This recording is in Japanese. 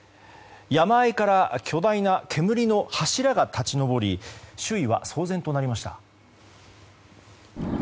山あいから巨大な煙の柱が立ち上り周囲は騒然となりました。